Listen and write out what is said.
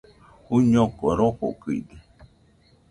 Uiñoko rofokɨide